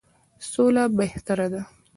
سوله بهتره ده.